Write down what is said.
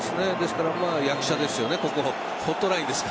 役者ですよね。